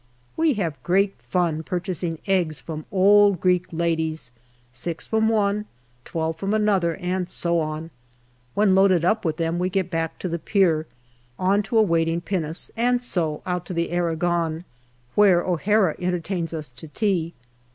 We have great fun purchasing eggs from old Greek ladies six from one, twelve from another, and so on. When loaded up DECEMBER 299 with them we get back to the pier, on to a waiting pinnace, and so out to the Aragon, where O'Hara entertains us to tea.